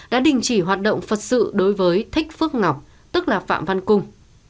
đã đình chỉ hoạt động phật sự đối với thích phước ngọc tức là phạm văn cung